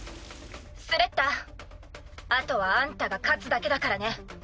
スレッタあとはあんたが勝つだけだからね。